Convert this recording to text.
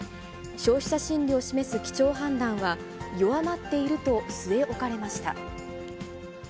消費者心理を示す基調判断は、弱まっていると据え置かれました。